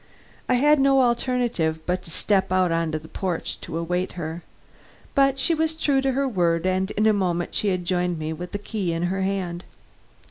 I had no alternative but to step out on the porch to await her. But she was true to her word and in a moment she had joined me, with the key in her hand.